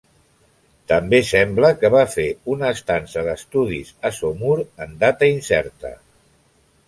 També sembla que va fer una estança d'estudis a Saumur en data incerta.